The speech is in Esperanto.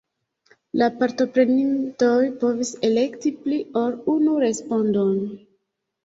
La partoprenintoj povis elekti pli ol unu respondon.